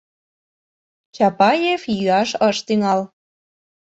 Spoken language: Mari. Чапаев йӱаш ыш тӱҥал.